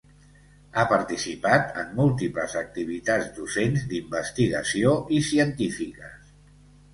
Ha participat en múltiples activitats docents, d'investigació i científiques.